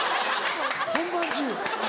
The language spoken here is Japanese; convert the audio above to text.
本番中。